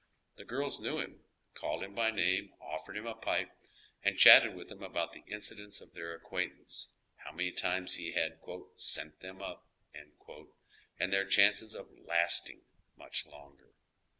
The girls knew him, called Iiim by name, offered him a pipe, and chatted with him about the incidents of their acquaintance, how many times he had "sent them up," and their chances of "lasting" mnch longer.